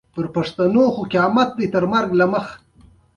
ترې ناوخته پورې خوب نه راتلو.